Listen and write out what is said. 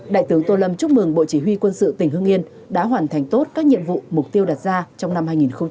đại tướng tô lâm chúc mừng bộ chỉ huy quân sự tỉnh hương yên đã hoàn thành tốt các nhiệm vụ mục tiêu đặt ra trong năm hai nghìn hai mươi